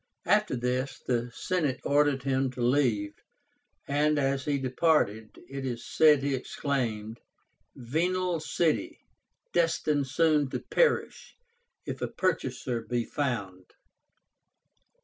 After this the Senate ordered him to leave, and as he departed, it is said he exclaimed, "Venal city, destined soon to perish, if a purchaser be found!"